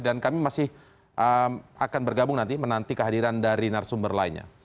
dan kami masih akan bergabung nanti menanti kehadiran dari narsumber lainnya